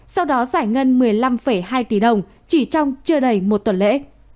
sau đó giải ngân một mươi năm hai tỷ đồng chỉ trong chưa đầy một tuần lễ